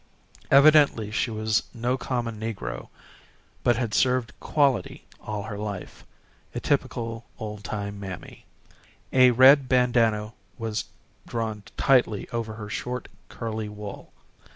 Evidently, she was no common negro, but had served "quality" all her life a typical old time mammy. A red bandanna was drawn tightly over her short curly wool.